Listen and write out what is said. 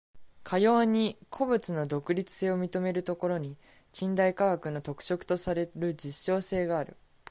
かように個物の独立性を認めるところに、近代科学の特色とされる実証性がある。